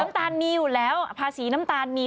ตาลมีอยู่แล้วภาษีน้ำตาลมี